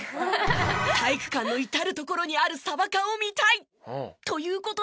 体育館の至る所にあるサバ缶を見たい！